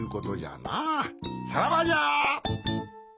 さらばじゃ！